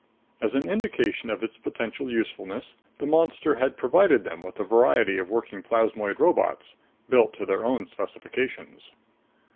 As an indication of its potential usefulness, the monster had provided them with a variety of working plasmoid robots, built to their own specifications.